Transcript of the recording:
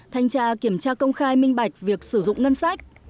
thanh tra kiểm tra công khai minh bạch việc sử dụng ngân sách